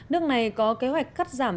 nước này có kế hoạch cắt giảm